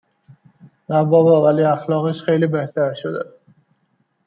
نه بابا ولی اخلاقش خیلی بهتر شده